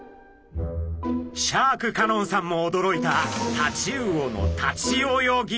シャーク香音さんもおどろいたタチウオの立ち泳ぎ！